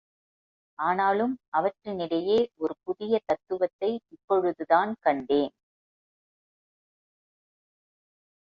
ஆனாலும் அவற்றினிடையே ஒரு புதிய தத்துவத்தை இப்பொழுதுதான் கண்டேன்.